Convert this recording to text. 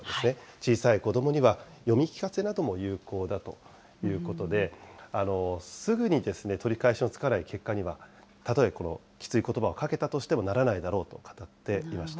小さい子どもには読み聞かせなども有効だということで、すぐに取り返しのつかない結果には、たとえきついことばをかけたとしてもならないだろうと語っていました。